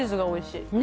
おいしい！